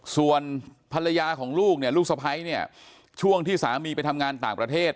ส่วนภรรยาของลูกเนี่ยลูกสะพ้ายเนี่ยช่วงที่สามีไปทำงานต่างประเทศ